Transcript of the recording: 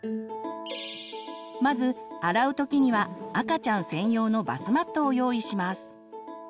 まず洗う時には赤ちゃん専用のバスマットを用意します。